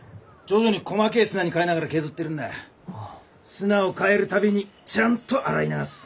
砂を変える度にちゃんと洗い流す。